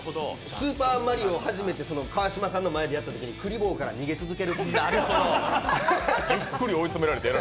スーパーマリオを初めて川島さんの前でやったとき、クリボーから逃げ続けるという。